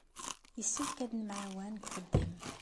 Yessefk ad nemɛawan deg uxeddim.